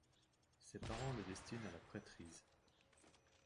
Ses parents le destinent à la prêtrise.